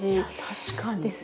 確かに。